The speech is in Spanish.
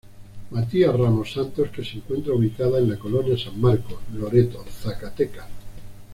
Matias Ramos Santos que se encuentra ubicada en la colonia San Marcos, Loreto, Zacatecas.